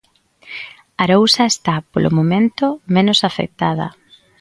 Arousa está, polo momento, menos afectada.